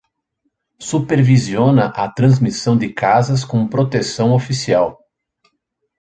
Supervisiona a transmissão de casas com proteção oficial.